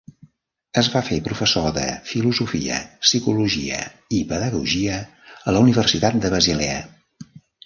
Es va fer professor de filosofia, psicologia i pedagogia a la Universitat de Basilea.